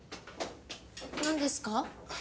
何ですか？